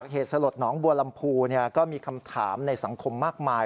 เหตุสลดหนองบัวลำพูก็มีคำถามในสังคมมากมาย